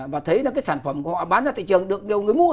và thấy là cái sản phẩm của họ bán ra thị trường được nhiều người mua